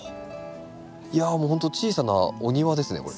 いやもうほんと小さなお庭ですねこれ。